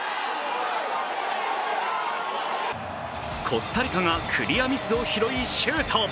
コスタリカがクリアミスを拾いシュート。